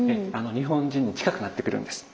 日本人に近くなってくるんです。